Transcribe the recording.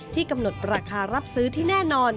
กำหนดราคารับซื้อที่แน่นอน